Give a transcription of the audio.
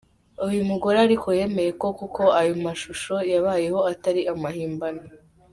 Uyu mugore ariko yemeye ko koko aya mashusho yabayeho atari amahimbano.